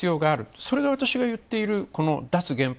それが私が言っている、脱原発。